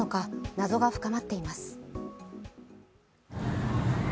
謎が深まっています。